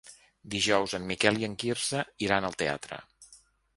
Dijous en Miquel i en Quirze iran al teatre.